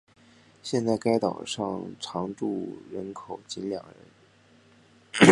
现在该岛上常住人口仅两人。